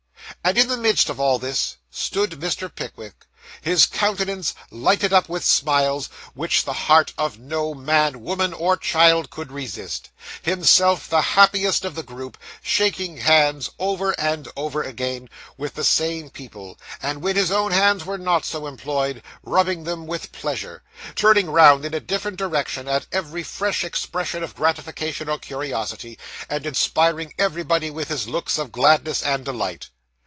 And in the midst of all this, stood Mr. Pickwick, his countenance lighted up with smiles, which the heart of no man, woman, or child, could resist: himself the happiest of the group: shaking hands, over and over again, with the same people, and when his own hands were not so employed, rubbing them with pleasure: turning round in a different direction at every fresh expression of gratification or curiosity, and inspiring everybody with his looks of gladness and delight.